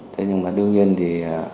thế nhưng mà đương nhiên thì